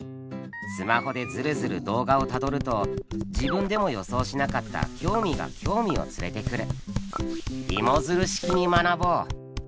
スマホでヅルヅル動画をたどると自分でも予想しなかった興味が興味を連れてくる。